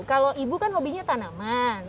kalau ibu kan hobinya tanaman